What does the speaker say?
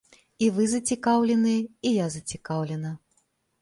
І вы зацікаўленыя, і я зацікаўлена.